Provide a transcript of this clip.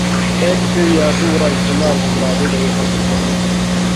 ایک یا دُو وار استعمال ہِن بادی دڑی ختُم ہوتھی۔